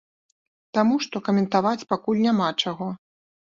Таму што каментаваць пакуль няма чаго.